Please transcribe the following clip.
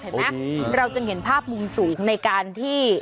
เห็นไหมเราจึงเห็นภาพมุมสูงในการที่